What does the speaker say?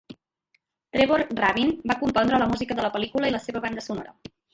Trevor Rabin va compondre la música de la pel·lícula i la seva banda sonora.